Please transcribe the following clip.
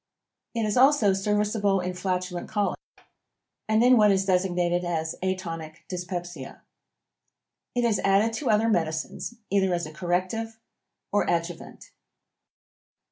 It is also serviceable in flatulent colic, and in what is designated as atonic dyspepsia. It is added to other medicines, either as a corrective, or adjuvant.